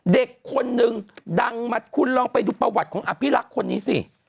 เด็กคนนึงดังมาคุณลองไปดูประวัติของอภิรักษ์คนนี้สิ